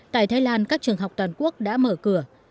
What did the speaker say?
tại thái lan các trường học toàn quốc đã mở cửa